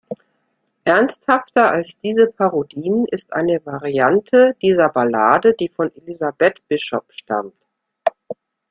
Ernsthafter als diese Parodien ist eine Variante dieser Ballade, die von Elizabeth Bishop stammt.